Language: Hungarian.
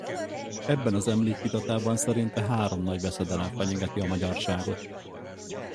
Ebben az emlékiratában szerinte három nagy veszedelem fenyegeti a magyarságot.